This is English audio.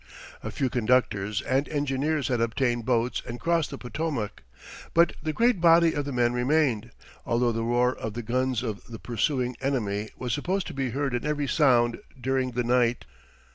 A few conductors and engineers had obtained boats and crossed the Potomac, but the great body of the men remained, although the roar of the guns of the pursuing enemy was supposed to be heard in every sound during the night.